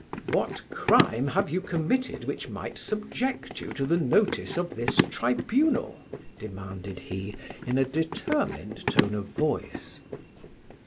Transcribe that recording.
"What crime have you committed which might subject you to the notice of this tribunal?" demanded he, in a determined tone of voice.